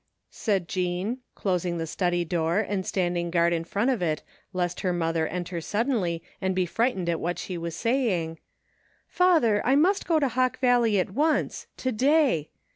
said Jean, closing the study door and standing guard in front of it lest her mother enter suddenly and be frightened at what she was saying, " Father, I must go to Hawk Valley at once, — to day!